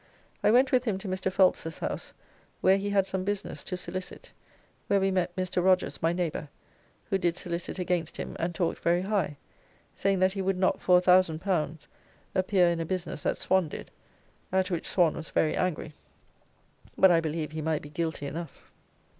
I went with him to Mr. Phelps's house where he had some business to solicit, where we met Mr. Rogers my neighbour, who did solicit against him and talked very high, saying that he would not for a L1000 appear in a business that Swan did, at which Swan was very angry, but I believe he might be guilty enough.